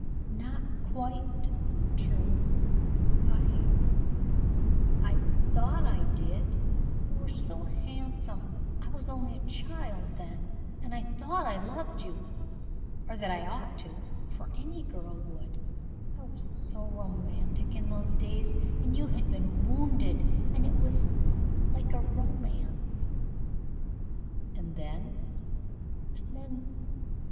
"Not quite true. I I thought I did. You were so handsome! I was only a child then and I thought I loved you or that I ought to for any girl would I was so romantic in those days and you had been wounded and it was like a romance " "And then?"